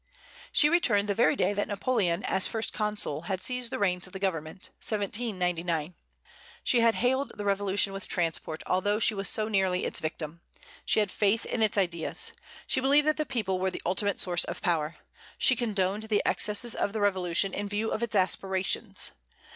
She returned the very day that Napoleon, as First Consul, had seized the reins of government, 1799. She had hailed the Revolution with transport, although she was so nearly its victim. She had faith in its ideas. She believed that the people were the ultimate source of power. She condoned the excesses of the Revolution in view of its aspirations.